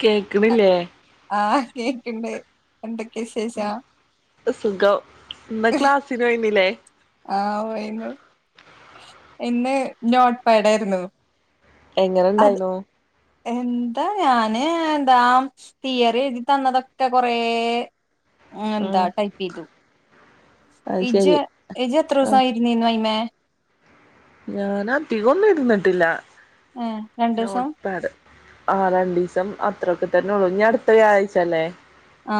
കേക്കണില്ലേ ആഹ് കേക്കുണ്ട് എന്തൊക്കെയ വിശേഷം സുഖം ഇന്ന് ക്ലാസിന് വുന്നില്ലേ ആഹ് പോയിന്ന് ഇന്ന് നോട്ടപ്പടായിരുന്നു എങ്ങനെ ഇണ്ടായിനോ എന്താ ഞാന് എന്താ തിയറി എഴുതി തന്നതൊക്കെ കൊറെ ആ എന്താ ഉം ടൈപ്പ ഇ അത് ഇജ ശരി ജ എത്ര ദിവസമായിരുന്നീന്ന് അൈ്മേ ഞൻ അധികംന്നും ഇരുന്നിട്ടില്ല ആ രണ്ടു ദിവസം ആ രണ്ടു ദിവസം അത്രൊക്കെ തന്നെ ഉള്ളു ഇനി അടുത്ത വ്യാഴാഴ്ച അല്ലേ ആ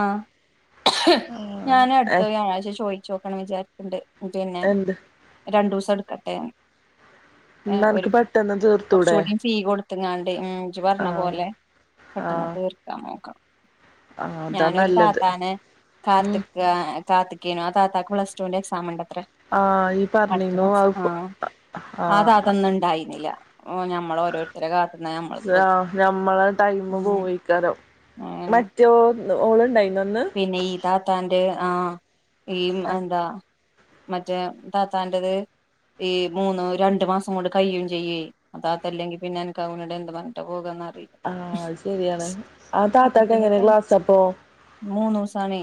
ഞാൻ അടുത്ത ഏഹ് വൃാഴായ്ച്ച ചോദിക്ക ചോക്കണം വിചാരിക്ക്‌ണ്ട് പിന്നെ എന്ത് രണ്ടു ദിവസം എടു കട്ടെ [unintelligible] ഇന്നാ അനക്ക്‌ പെട്ടെന്ന് തീർത്തൂടെ അപ്പ ഞാൻ ഉം ഇജ്ജ് പറഞ്ഞ ആഹ് പോലെ പെട്ടെന്ന് ആഹ് തീർക്കാൻ നോക്കണം ആഹ് അതാ ഞാനൊരു നല്ലത് താത്താനെ ഉം കാത്ത്ക്കാ കാത്ത് കാത്ത്ക്കേനി ആ താത്താക്ക് പ്ലടുവിന്റെ എക്സാം ഇണ്ട് ആഹ ഈ പറഞ്ഞീന്നു അത് ആഹ് ആഹ ഓ ഞമ്മള് ഓരോരുത്തരെ കാത്ത് ഹലോ ഞമ്മളെ ടൈമ് ഉം പോയിക്കാരം അങ്ങനെ മറ്റോ ഓള് ഇണ്ടായി വന്ന് പിന്നെ ഈ താത്താന്റെ ആ മം അന്താ മറ്റേ താത്താന്റെറത് ഈ മൂന്ന് രണ്ടു മാസം കൊണ്ട് കഴിയും ചെയ്യേ താത്ത അല്ലെങ്കിൽ പിന്നെ എനക്ക് അവനോട് എന്ത് പറഞ്ഞിട്ട പോക അറി ആഹ് അത് ശെരിയാണ് ആ താത്താക്ക് എങ്ങനെ ക്ലാസ്സ് അപ്പം? മൂന്നുസാണേ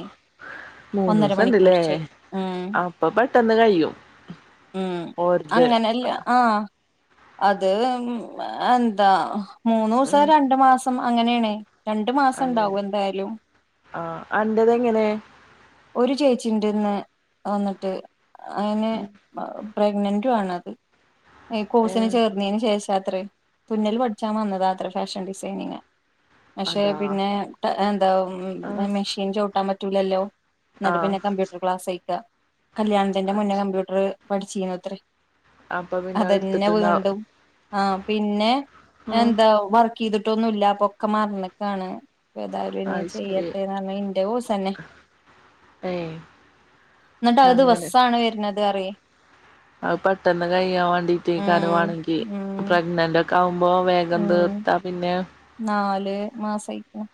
ഒന്നര മൂന്നൂസം ഇണ്ട്ല്ലേ മണിക്കൂറച്ച് ഉം അപ്പൊ പെട്ടെന്ന് കഴിയും ഉം ഓര്ത് അങ്ങനെല്ല ആഹ് അത് എന്താ മൂന്നുസം ഉം രണ്ടു മാ മസം അങ്ങനെയണേ. രണ്ടു മാസം അങ്ങനെ ഇണ്ടാവും എന്തായാലും. ആഹ് അന്റത് എങ്ങനെ? ഇതിന്ന് വന്നിട്ട് അയിന് ഉം പ പ്രെഗ്നന്റും ആണത്. ഈ കോഴ്സിന് ഏഹ് ചേർന്നേന് ശേഷം രാത്രി തുന്നല് പഠിച്ചാൻ വന്നതാത്രേ ഫാഷൻ ഡിസൈനിങ്. പക്ഷേ അതാ പിന്നെ എന്താവും ആഹ് മെഷിൻ ചൗട്ടാൻ പ റ്റൂലല്ലോ ഇന്നിട്ട് ആഹ് പിന്നെ കമ്പ്യൂട്ടർ ക്ലാസെയ്ക്ക കല്യാണത്തിന്റെ അത് മുന്നേ ശരി കമ്പ്യൂട്ടർ പഠിച്ചുന്ന് അത്രേ അപ്പൊ പിന്നെ അത് അതന്നെ എടുത്തിട്ടുണ്ടാവും വീണ്ടും ആ പിന്നെ ഉം എന്താ വർക് ചെയ്തിട്ട് എന്നിട്ട് ഒന്നുമില്ല ഒക്കെ മറന്നേക്കാണ് അപ്പാ താരുനി അത് ചെയ്യാ ശരി [unintelligible] അമ്മ എന്റെ കോഴ്സ് തന്നെ ഏഹ് എന്നിട്ട് അങ്ങനെ ദിവസംമാണ് വരുന്നത്. പറയ് അത് പെട്ടന്ന് കഴിയാൻ വേണ്ടിട്ട് ഉം കനവാണ് എനിക്ക് ഉം പ്രഗ്നന്റഒ മ്മോ വേഗം ഉം തീർത്താൽ പിന്നെ നാല് മാസം ആയിക്കുണു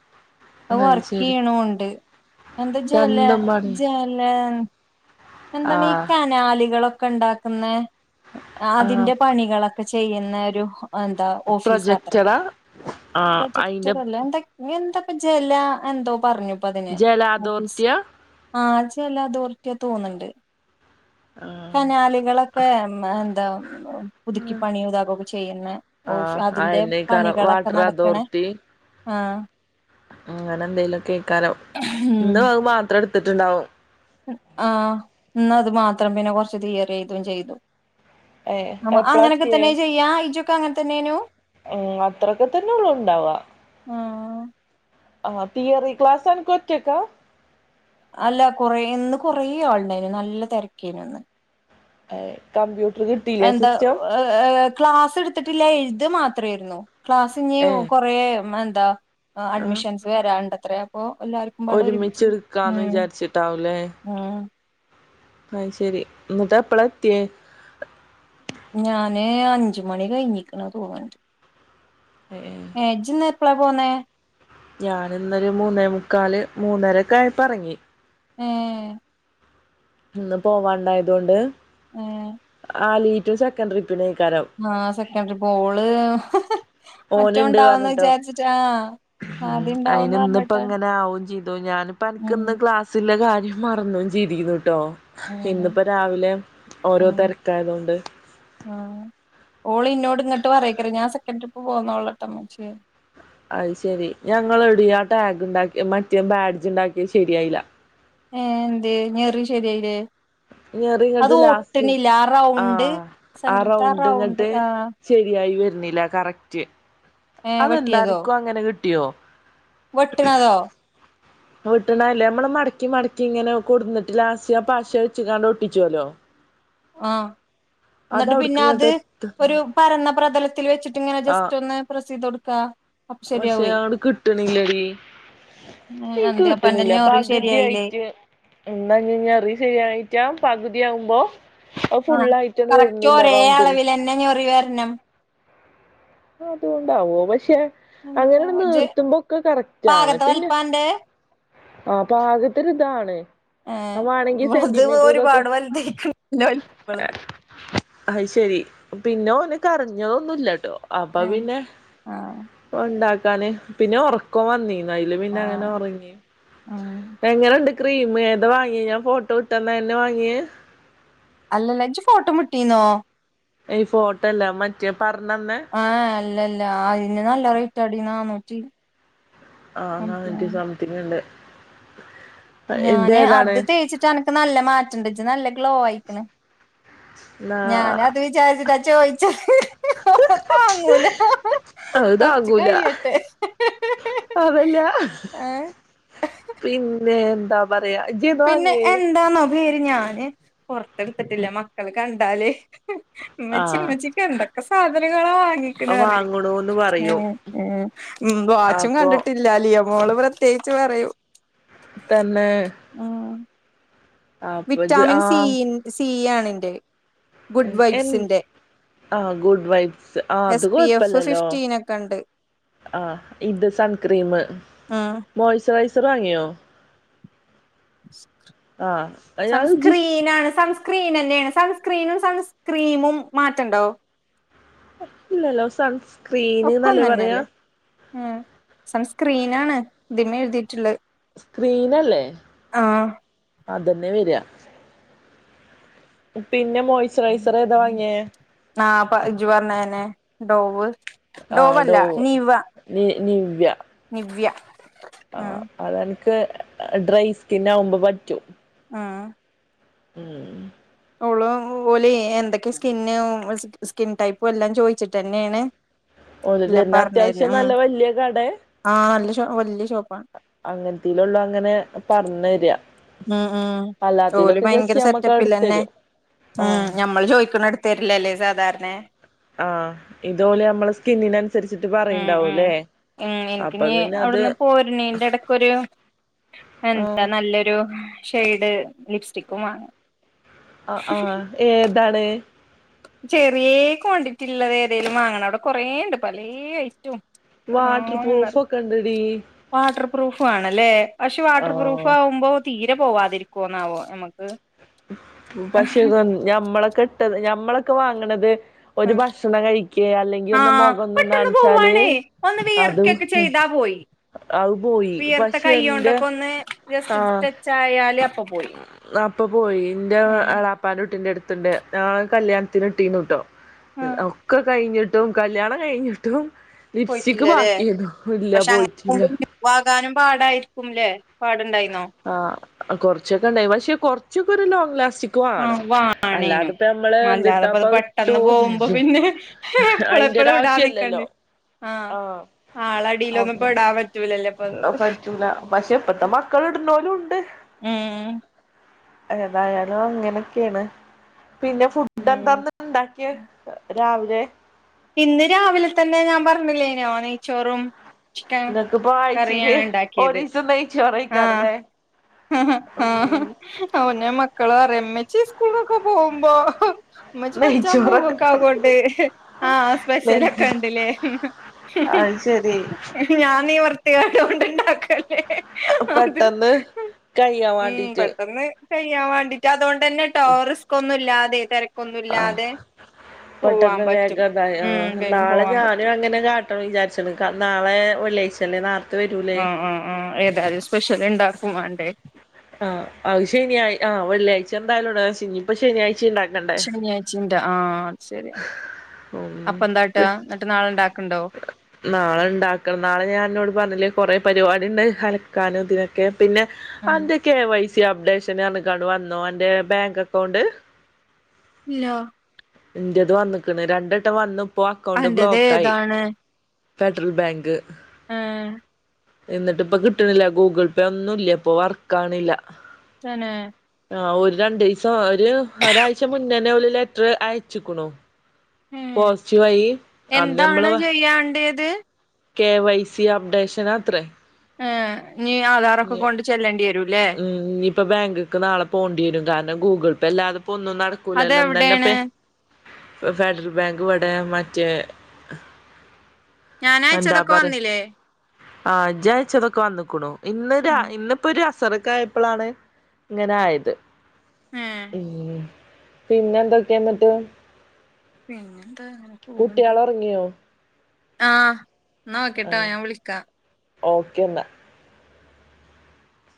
ഇപ്പ അത് ശരി വർക്യ്യാണുണ്ട് എന്താ ജല രണ്ടും പണിയാ എന്താണ് ആഹ് കനാലുകൾ ഒക്- കണ്ടോ ഉണ്ടാക്കുന്നെ ആ ആഹ് അതിന്റ പണികൾ ഇപ്പോ ചെയ്യുന്നൊരു ഹോ അതെന്താ ഓഫീസ്ത്ര പ്രൊജക്ടറാ ആഹ് അയിന്റെ പ്രൊജക്റ്റ്‌ർല്ലേ എന്താ ഇപ്പ ജല എന്തോ പറഞ്ഞുപ്പ ജലധോരിറ്റി ആ ആ ജലധോരിറ്റി അത് തോന്ന്ണ്ട് കനാലുകൾ ഒക്കെ [unintelligible] പുതുക്കി പണിയും [unintelligible] ഓക്കേ ചെയ്യുന്ന ഓഫ്‌ ആഹ് അതിന്റ അയന്നേക്കാരം പണികൾ ഓക്കേ വാട്ടർ നടക്കണ അതോറിറ്റി ആ അങ്ങനെ എന്താലും കേക്കലോ ഇന്ന് അത് മാത്രം എടുത്തു എടുത്തിട്ട്ണ്ടാവും ഹ് ആ ഇന്ന് അത് മാത്രം പിന്നെ കുറച് തിയറി എഴുതുകയും ചെയിതു. ഏഹ് നമ്മ എപ്പളാ അങ്ങനെക്ക തന്നെ ചെയ്യാ ഇച്ചും നിക്ക് അങ്ങനെ തന്നെന്നു മ്മ് അത്ര അത്ര തന്നെ ഉണ്ടാവാ മ്മ് ആ തിയറി ക്ലാസ്സ്‌ അനക്ക് ഒറ്റക്ക അല്ല കൊറേന്ന് ഇന്ന് കൊറന്ന് ആളുണ്ടരുന്നു നല്ല തിരക്ക് അയിന്നു ഇന്ന് ഏ കമ്പ്യൂട്ട- അതെന്താ ക്ലാസ്സ് എടുത്തിട്ടില്ല എഴ്ത മാ ത്രേയിരുന്നു ക്ലാസ് ഇനി ഏഹ് കൊറേ മൻ ദ ആ ആഹ് അഡ്മിഷൻസ് വരാണ്ട് ത്രെയാപ്പോ ഒരുമിച്ച് എടുക്കാന്ന് വിചാരിച്ചിട്ടാവൂ ല്ലേ ഉം അയ്ശരി ഇന്ന്ട്ട് എപ്പളാ എത്തിയേ ഞാന് അഞ്ചു മണി കഴിഞ്ഞിക്ക്ണ് തോന്ന്ണ്ട് ഏഹ് ഏ ജ്ന്ന് എപ്പളാ പോന്നേ ഞാൻ ഇന്നൊരു മൂന്നേ മുക്കാല് മൂന്നരൊക്കെ ആയപ്പെറങ്ങി ഏ ഇന്ന് പോവാണ്ടായതോണ്ട് ഏ ആലി റ്റു സെക്കണ്ടറി ആ സെക്കൻഡറി പ്പൊ ഓള് [unintelligible] മറ്റോ ഓനുണ്ട് ഒണ്ടാവന്ന് പറഞ്ഞിട്ടോ വിചാരിച്ചിട്ട് ആ ആദ്യണ്ടാവന്ന് പറഞ്ഞിട്ട് അ ഞാനിപ്പ ഉം എനക്കന്ന് ക്ലാസ്സില്ല ഞാൻ മറന്നും ജ്തിക്കുന്നു കേട്ടോ ഉം ഇന്നിപ്പോ രാവിലെ ഓരോ ഉം തിരക്കായത് കൊണ്ട് ഉം ഓള് ഇന്നോട് ഇങ്ങോട്ട് പറക്കരു ഞാൻ സെക്കൻഡ് ട്രിപ്പ് പോന്നതോള്ളട്ടമ്മ ച്ചി അത് ശെരി ഞങ്ങള എടാ ടാഗ് ഉണ്ടാക്കി മറ്റേ ബാഡ്ജ് ഉണ്ടാക്കിയ ശരിയായില്ല ഏ എന്ത് ഞറി ശരിയയില്ലേ ഞറി ഇങ്ങോട്ട് ലാസ്റ്റ് ആ ആ റൗണ്ട് ഇങ്ങോട്ട് ശരിയായി വര എന്നന്നില കറക്റ്റ് ഏ അതെന്താ വെട്ടിയതോ നിക്കോ അങ്ങനെ കിട്ട [unintelligible] വെട്ടണതോ വെട്ടണ അല്ലനമ്മള് മടക്കി മടക്കി ഇങ്ങനെ കൊടന്നിട്ട് ലാസ്റ്റ് പശ വെച്ച കാണ്ട് ഒട്ടിച്ചുവല്ലോ ആ അത് എന്നിട്ട് അവിടക്ക് പിന്നെ അത് ഇങ്ങട്ട് എത്ത ഒരു പറന്ന- പ്രതലത്തിൽ വെച്ചിട്ട് ഇങ്ങനെ ആ ജസ്റ്റ് ഒന്ന് പ്രസ് ചെയ്തു കൊടു ആ പക്ഷെ അടെ കിട്ടണില്ലടിീ എനിക്ക് എന്ത് അപ്പ എന്റെ കിട്ടണില്ല ഞൊറി ശരിയായില്ലേ പകുതിയായിട്ട് എന്താന്നറിഞഞ്ഞാ ശരിയായിട്ടാ ഞാൻ പകുതി തി ഉ്പോ [unintelligible] ആ കറക്റ്റ് ഒരേ റൗണ്ടില് അളവിലന്നെ ഞൊറി വരനം അതുകൊണ്ടാവോ പക്ഷേ അങ്ങനെഇന്നെ ഇജ്ജ് നിർത്തുമ്പോക്കെ കറക്റ്റാണ് പാകത്തെ പിന്നെ വലിപ്പാ അന്റെ ആ പാകത്തിനിതാണ് ഏ വളുത് ഒരുപാട് [unintelligible] വലുതല്ലോലുളുത് അത് ശരി പിന്നെ ഓനു കരഞ്ഞോന്നുംല്ലട്ടോ എ ആ ഉണ്ടാക്കാന് പിന്നെ ഒറക്കോൻ വന്നീ അയിലെ പിന്നങ്ങനെ ആഹ് ഉറങ്ങി ഉം എങ്ങനൊണ്ട് ക്രീം ഏതാ വാങ്ങിയെ ഞാൻ ഫോട്ടോ ഇട്ടന്ന തന്നെയാ വാങ്ങിയെ അല്ലല്ല ച്ചെ ഫോട്ടോ മുട്ടീന്നോ ഈ ഫോട്ടോല്ല മറ്റേ പറഞ്ഞന്നെ ആ അല്ലല്ല ആയിന് നല്ല റേറ്റ് അടിന്നാണു ജ [inaudible] ആ ആ എനിക്ക് സമത്തിനുണ്ട് ഞാന് ഏതാണ് അത് തേച്ചിട്ടാണെ നല്ല മാറ്റണ്ട് ച്ചി നല്ല ഗ്ലോ ആയിക്കണ് ഞാന അത് വിചാരിച്ചിട്ടാ ചോയിച്ചാ അത് കൊറച്ച് താങ്ങുല കഴിയട്ടെ അതന്നെയാ ഏ പിന്നെ പറയ ഇജേജന്ന വാങ്ങിയേ പിരിഞ്ഞാനെ പുറ എടുത്തിട്ടില്ല മക്കൾ കാണെ ട്ടാലേ ആ മ്മച്ചി മ്മച്ചിക്കത്ത വാങ്ങണൂന്ന് ക [unintelligible] പറയും ഊമ് ഊമ് വാച്ചും അപ്പൊ കണ്ടിട്ടില്ല ലിയമോള് പ്രത്യേകി ച്ച് പറയും [unintelligible] ആഹ് അപ്പൊ ഇജ്ജ് വിറ്റാമിൻ ആ സീൻ സിയാണ് ന്റെ good wipes S P F അത്കൊഴപ്പല്ലല്ലോ ഫിഫ്റ്റീൻ ഒക്കെ ഉണ്ട് ആ ഇത് സൺ സക്രീമ് ഉം മോയിസ്റ്ററൈസ സ്റാങ്ങിയൊ ജിസ് സൺസ്ക്രീനാണ് സംസ് സ്ക്രീൻ തന്നെയാണ് സൺസ്ക്രീനും സൺസ്ക്രീമും മാറ്റണ്ടോ ഇല്ലല്ലോ സങ് ക്രീന് നല്ല പറയാ ഉ സൺസ്ക്രീനാണ് ഇതിമേ എഴുതിയിട്ടുള്ളത് സ്ക്രീനല്ലേ ആഹ് അതെന്നെ വരാ പിന്നെ മോയ്സ്ചറൈസർ ഏതാ വാങ്ങിയേ ആപ്പ ജു പറഞ്ഞന്നെ ഡോവ് ആ ഡോവല്ല ഡോ നിവ്വ നി നിവ്യ വ്യ ആ അതെന്നെ ഡ്രൈ സ്കിൻ ആകുമ്പോ പറ്റും ആഹ് ഉം ഓളോ പോലെ എന്തെക്കെ സ്കിന്ന് സ്കിൻ ടൈപ്പും എല്ലാം ചോയിച്ചിട്ടെന്നെയാണ് ഒല് തന്നെ അത്യാശ്യം നല്ല വല്യ കടേ? ആ നല്ല വല്യ ഷോപ്പാണ് അങ്ങനത്തീലൊള്ളൂ അങ്ങനെ പറണ്ണരെ ഉം ഉം ജോലി ഭയങ്കര നമ്മക്ക് സെറ്റപ്പിലെന്നെ എടുത്തരും ഉം ആഹ് ഞമ്മൾ ചോ [unintelligible] എടുത്തരില്ലല്ലേ സാധാരണ ആ ഇതോലെ നമ്മള് സ്കിന്നിനൊ ഉം ഉം ഉം എനിക്ക് അപ്പൊ നീ പിന്നെ അത് അവിടുന്ന് പോര്നീന്റെ ഇടക്കൊരു എന്താ ആഹ് നല്ലൊരു ഷെയ്ഡ് ലിപ്സ്റ്റിക്കുംമാണം ആ ആഹ് ഏ എന്താണേ ചെറിയ ക്വാണ്ടിറ്റിള്ളത് ഏതേങ്കലും വാങ്ങണ അവിടെ കൊറേ ഉണ്ട് പലേ ഐറ്റവും വാട്ടർ പ്രൂഫ് ഒക്കെണ്ടടി പ്രൂഫാണല്ലേ ക്ഷേ വാട്ടർപ്രൂഫ് ആവുമ്പോൾ തീ പോവാതിരിക്കുന്നാവോ നമുക്ക് പശു ഞമ്മളെ കെട്ടത് നമ്മളൊക്കെ വാങ്ങണത് ഒരു ഭക്ഷണം കഴിക്ക അല്ലെങ്കിൽ ഒന്ന് ആഹ് മുഖം ഒന്ന് പെട്ടെന്ന് നനച്ചാല് പോവാണേ ഒന്ന് അത് വിയർക്കൊക്കെ ചെയ്താ പോയി അത് പോയി വിയർത്ത പക്ഷെ എന്റെ കൈയ്യോണ്ടൊക്കെ ഒന്ന് ആ ജസ്റ്റ് ടച്ച് ആയാല് അപ്പൊ പോയി അപ്പൊ പോയി ന്റെ ഉം എളാപ്പാന്റെ കുട്ടി കുട്ടിന്റെ അട്ത്തണ്ട് ഞങ്ങൾ കല്യാണത്തിന് ഇട്ടീന്ന്ട്ടോ ആഹ് ഒക്കെ കഴിഞ്ഞിട്ടും കല്യാണം കഴിഞ്ഞിട്ടും ലിപ്സ്റ്റിക്ക് പോയിട്ടില്ലല്ലേ ബാക്കിയായിരുന്നു ഇല്ല പക്ഷെ അങ്ങനെ പോയിട്ടില്ല ആകുമ്പോ പോകാനും പാടായിരിക്കും ല്ലേ? പാടുണ്ടായി ആ ആ കുറച്ചൊക്കെ ഉണ്ടായി പക്ഷെ കുറച്ചൊക്ക ഒരു ലോങ് ലാസ് ആ വാണേനും അല്ലാതെപ്പോ ഇത് എന്തിത്താപ്പ ഇട്ടു പെട്ടെന്ന് പോകുമ്പോ പിന്നെ അയിന്റെ ഒരു എപ്പളെപ്പളും ഇടാ ആവശ്യല്ലല്ലോ നിക്കണ്ടെ ആ ആഹ് ആളടിയിലൊന്നും അങ്ങനെ ഇപ്പ ഇടാൻ പറ്റൂലല്ലേ പറ്റൂല പക്ഷെ ഇപ്പത്തെ മക്കൾ ഇടു അവരും ഉണ്ട് ഉം ഏതായാലും അങ്ങനൊക്കെയാണ് പിന്നെ ഫുഡ് ഉം എന്താന്ന ഇണ്ടാക്കിയേ? രാവിലെ ഇന്ന് രാവിലെ തന്നെ ഞാൻ പറഞ്ഞില്ലേനോ നെയച്ചോറും എന്നിട്ട് ഇപ്പൊ ആയ്ചീല് ഇണ്ടാക്കിയത് ഒരീസം നെയ്ച്ചോറും ചോറയ്ക്കാറില്ലേ ആ ആ അ അന്നെ മക്കള് പറയും മ്മച്ചി സ്കൂ സ്കൂൾകൊക്കെ പോകുമ്പോ ഇമ്മച്ചി പഠിച്ചാൻ നെയ്ച്ചോറൊക്കെ പോവൊക്കെ ആവോണ്ട് ആ നെയ് സ്പെഷ്യലൊക്കെ ഇണ്ട്ല്ലേ അത് ശരി ഞാനീ [unintelligible] പെട്ടെന്ന് കഴിയാൻ ഉം വാണ്ടിട്ട് പെട്ടെന്ന് കഴിയാൻ വേണ്ടിട്ട് അതുകൊണ്ട് തന്നെ ടോറിസ്ക് ഒന്നുമി ല്ലാതെ തി ആ പെട്ടെന്ന് പറ്റും വേഗം ത ആ ഉം വേഗം നാളെ പോവാൻ ഞാനും പറ്റും അങ്ങനെ കാ ട്ടണമെന്ന് വിചാരിച്ചണ് നാളെ വെള്ളിയാഴ്ചയല്ലേ നാ ആ ആ ആ എപ്പ് സ്പെഷ്യൽ ഉണ്ടാക്കും വാണ്ടേ ആഹ് അത് ശനി ആ വെള്ളിയഴ്ച എന്തായാലും ഉണ്ടാവൂല ഇനിപ്പ ശനിയാഴ് ച്ചി ഇണ്ടാക്കണ്ടേ ആ ശരിയാ അപ്പൊ എന്താട്ടാ ഉം എന്നിട്ട് നാളെ ഉണ്ടാ നാളെ ഉണ്ടാക്കണം നാളെ ഞാനന്നോട് പർഞ്ഞില്ലേ കൊറെ പരിപാടി ഉണ്ട്ന്ന് അലക്കാനും ഇതിനൊക്കെ പിന്നെ അൻ്റക്കെ എ വൈ സി അപ്ഡേഷൻ ഒക്കെ വന്നോ അന്റെ ബാങ്ക് അക്കൗണ്ട് ഇല്ലാ ഇൻ്റത് വന്ന്ക്ണ് രണ്ടട്ടം വന്ന് ഇപ്പോ അക്കൗണ്ട് അൻ്റത് ബ്ലോക്കായി ഏതാണ് ഫെഡറൽ ബാങ്ക് ഏഹ് എന്നിട്ട് ഇപ്പ കിട്ടണില്ല ഗൂഗിൾ പേ ഒന്നുമില്ല ഇപ്പൊ വർക്കാവണില്ല തന്നെ ആ ഒരു രണ്ടീസം ഒരു ഒരാഴ്ച മുന്നേനെ ഒരു ലെറ്റർ അയച്ചേക്കണൂ ഏഹ് പോസിറ്റീവായി അന്ന് നമ്മള് ത് കെ വൈ സി അപ്ഡേഷൻ അത്രേ ഏഹ് ഇനി ഉം ആധാറൊക്കെ കൊണ്ട് ചെല്ലേണ്ടി വരൂല്ലേ ഇനി ഇപ്പൊ ബാങ്ക്ക്ക് നാളെ പോവേണ്ടി വരും കാരണം ഗൂഗിൾ ബല്ലാത് ഇപ്പൊന്നും നടക്കൂലല്ലോ അതെവിടെയാണ് ഇന്നന്നെപ്പേ ഫെഡരൽ ബാങ്ക് ബടെ മറ്റേ ഞാന് അയച്ചതൊക്കെ വന്നില്ലേ ആ ഇജയച്ചതൊക്ക വന്ന്ക്കണു ഇന്ന് രാ ഉം ഇന്ന് ഇപ്പോ ഒര സറക്കായപ്പളാണ് ഇങ്ങനെ ആയത് ഏഹ് ഉം പിന്നെന്തൊക്കെയ ഇന്നട്ട് പിന്നെന്താ അങ്ങനെ പോണ് ണ്ട് ഉറങ്ങിയോ ആഹ് എന്ന ഓക്കെ ട്ടോ ഞാൻ വിളിക്കാ ഓക്കേ ന്നാ